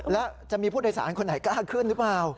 แล้วจะมีผู้โดยสารคนไหนกล้าขึ้นหรือเปล่า